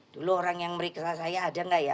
dulu orang yang meriksa saya ada nggak ya